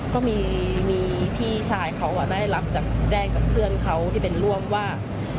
ก็มีพี่ชายเขาได้รับแจ้งจากเพื่อนเขาที่เป็นร่วมว่า